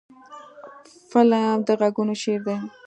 فلم د غږونو شعر دی